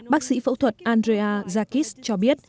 bác sĩ phẫu thuật andrea jacques cho biết